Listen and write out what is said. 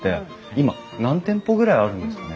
今何店舗ぐらいあるんですかね？